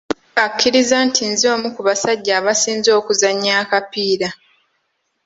Akkiriza nti nze omu ku basajja abasinze okuzannya akapiira.